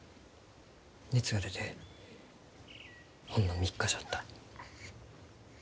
熱が出てほんの３日じゃった。